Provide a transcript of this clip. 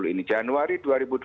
ini januari dua ribu dua puluh